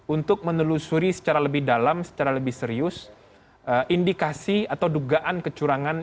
untuk menelusuri secara lebih dalam secara lebih serius indikasi atau dugaan kecurangan